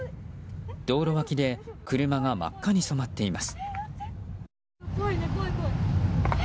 道路脇で車が真っ赤に染まっています。